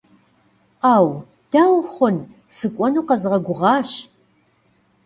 Ӏэу, дауэ хъун, сыкӏуэну къэзгъэгугъащ.